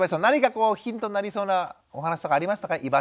何かこうヒントになりそうなお話とかありましたか？